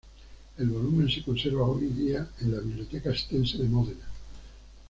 El volumen se conserva hoy día en la Biblioteca estense de Módena.